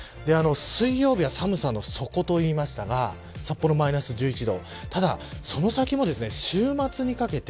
水曜日は寒さの底と言いましたが札幌、マイナス１１度。